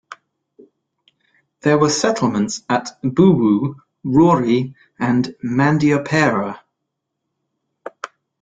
There were settlements at Buwu, Rori and Mandiopera.